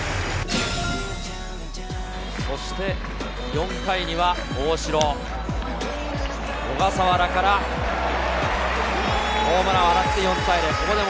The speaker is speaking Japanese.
そして４回には大城、小笠原からホームランを放って４対０。